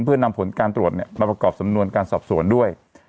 เพื่อนำผลการตรวจมาประกอบสำนวนการสอบสวนด้วย